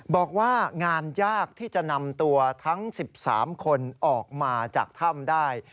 บอกว่างานยากที่จะนำตัวทั้ง๑๓คนออกมาจากถ้ำได้